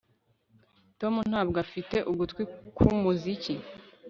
Tom ntabwo afite ugutwi kwumuziki